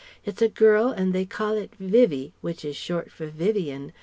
It's a girl and they call it 'Vivvy,' which is short for Vivien.